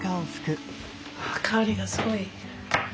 香りがすごい。